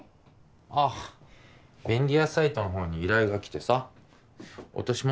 あっ便利屋サイトの方に依頼が来てさ落とし物